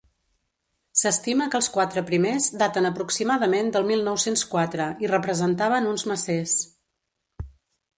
S'estima que els quatre primers daten aproximadament del mil nou-cents quatre i representaven uns macers.